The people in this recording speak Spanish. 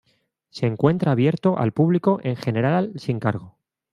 Se encuentra abierto al público en general sin cargo.